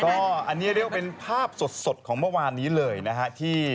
ก็อันนี้เรียกว่าภาพสดของมลัวบานนี้เลยนะครับ